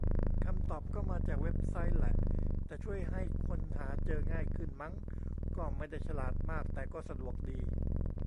คำตอบก็มาจากเว็บไซต์แหละ แต่ช่วยให้คนหาเจอง่ายขึ้น มั้ง ก็ไม่ได้ฉลาดมาก แต่ก็สะดวกดี